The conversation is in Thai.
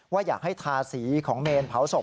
ว่าอยากให้ทาสีของเมนเผาศพ